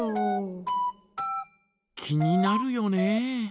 気になるよね。